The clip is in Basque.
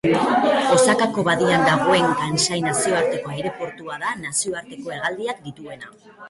Osakako Badian dagoen Kansai nazioarteko aireportua da nazioarteko hegaldiak dituena.